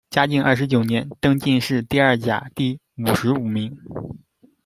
嘉靖二十九年，登进士第二甲第五十五名。